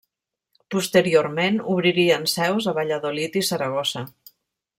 Posteriorment obririen seus a Valladolid i Saragossa.